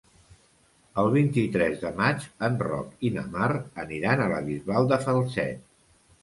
El vint-i-tres de maig en Roc i na Mar aniran a la Bisbal de Falset.